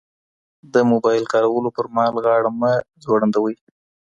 د موبایل کارولو پر مهال غاړه مه ځوړندوئ.